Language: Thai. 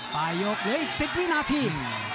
ปลายยกเหลืออีก๑๐วินาที